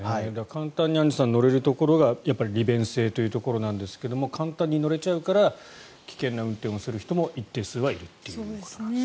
簡単に、アンジュさん乗れるところが利便性というところなんですが簡単に乗れちゃうから危険な運転をする人も一定数はいるということなんですね。